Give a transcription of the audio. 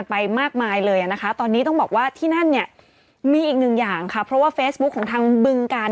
ไม่น่ามาร้องถึงเครื่องเสียงได้